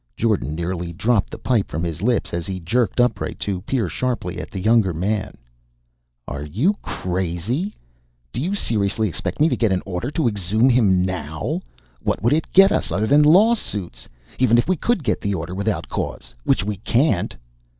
Jordan nearly dropped the pipe from his lips as he jerked upright to peer sharply at the younger man. "Are you crazy? Do you seriously expect me to get an order to exhume him now? What would it get us, other than lawsuits? Even if we could get the order without cause which we can't!"